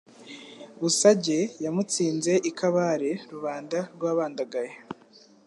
Busage yamutsinze i Kabale Rubanda rwabandagaye